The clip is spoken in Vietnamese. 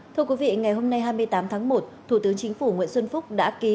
thưa quý vị ngày hôm nay hai mươi tám tháng một thủ tướng chính phủ nguyễn xuân phúc đã ký